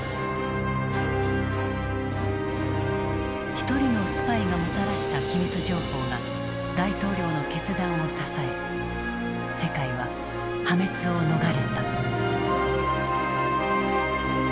一人のスパイがもたらした機密情報が大統領の決断を支え世界は破滅を逃れた。